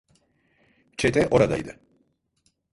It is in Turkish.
Çete oradaydı.